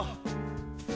あ。